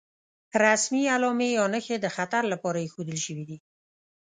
رسمي علامې یا نښې د خطر لپاره ايښودل شوې دي.